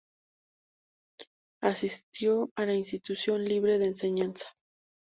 Asistió a la Institución Libre de Enseñanza.